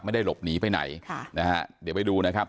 ไม่ได้หลบหนีไปไหนค่ะนะฮะเดี๋ยวไปดูนะครับ